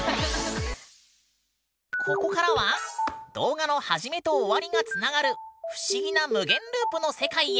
ここからは動画の初めと終わりがつながる不思議な無限ループの世界へ。